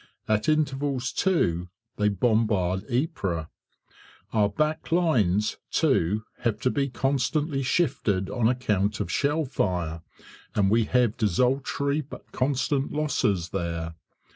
At intervals, too, they bombard Ypres. Our back lines, too, have to be constantly shifted on account of shell fire, and we have desultory but constant losses there.